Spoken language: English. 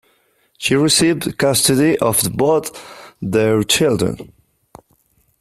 She received custody of both their children.